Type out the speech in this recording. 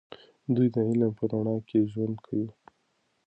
دوی د علم په رڼا کې ژوند کوي.